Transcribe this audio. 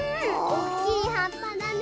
おっきいはっぱだね。